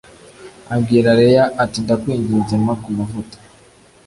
abwira Leya ati Ndakwinginze mpa kumavuta